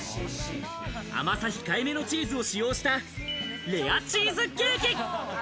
甘さ控えめのチーズを使用した、レアチーズケーキ。